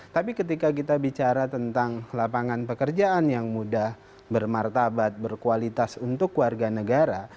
tapi ketika kita bicara tentang lapangan pekerjaan yang mudah bermartabat berkualitas untuk warga negara